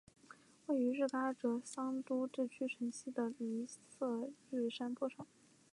位于日喀则市桑珠孜区城西的尼色日山坡上。